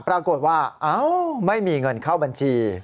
ปรากฏว่าไม่มีเงินเข้าบัญชี